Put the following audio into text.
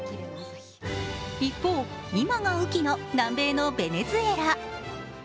一方、今が雨季の南米のベネズエラ。